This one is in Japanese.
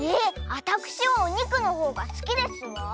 あたくしはおにくのほうがすきですわ。